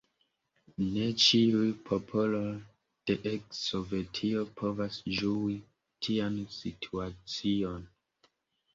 Ne ĉiuj popoloj de eks-Sovetio povas ĝui tian situacion.